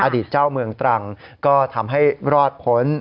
อดีตเจ้าเมืองตรังก็ทำให้รอดพ้น